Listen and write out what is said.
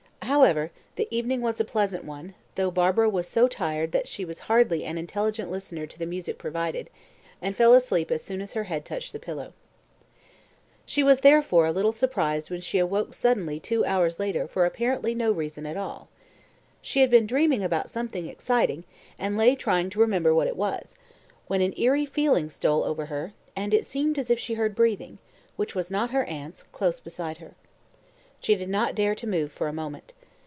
However, the evening was a pleasant one, though Barbara was so tired that she was hardly an intelligent listener to the music provided, and fell asleep as soon as her head touched the pillow. She was, therefore, a little surprised when she awoke suddenly two hours later for apparently no reason at all. She had been dreaming about something exciting, and lay trying to remember what it was, when an eerie feeling stole over her, and it seemed as if she heard breathing which was not her aunt's close beside her. She did not dare to move for a moment.